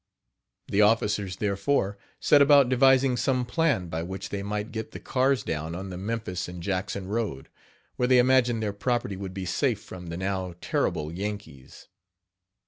The officers, therefore, set about devising some plan by which they might get the cars down on the Memphis and Jackson road, where they imagine their property would be safe from the now terrible Yankees.